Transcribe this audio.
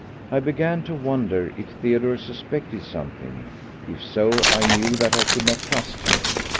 I began to wonder if Theodore suspected something; if so, I knew that I could not trust him.